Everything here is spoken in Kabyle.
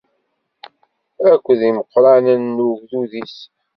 Akked yimeqwranen n ugdud-is.